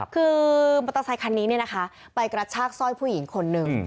คือมอเตอร์ไซคันนี้ไปกระชากสร้อยผู้หญิงคนหนึ่ง